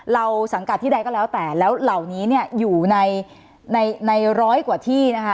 สังกัดที่ใดก็แล้วแต่แล้วเหล่านี้เนี่ยอยู่ในในร้อยกว่าที่นะคะ